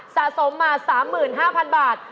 สะสมมา๓๕๐๐๐บาท